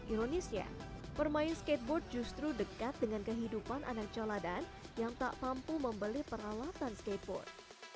ironisnya bermain skateboard justru dekat dengan kehidupan anak coladan yang tak mampu membeli peralatan skateboard